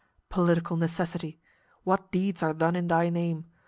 "Political necessity!" What deeds are done in thy name!